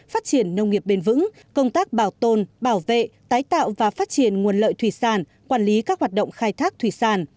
phát triển nông nghiệp bền vững công tác bảo tồn bảo vệ tái tạo và phát triển nguồn lợi thủy sản quản lý các hoạt động khai thác thủy sản